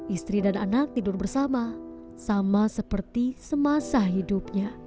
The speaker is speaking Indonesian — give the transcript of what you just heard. istri dan anak tidur bersama sama seperti semasa hidupnya